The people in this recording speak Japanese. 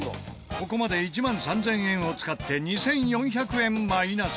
ここまで１万３０００円を使って２４００円マイナス。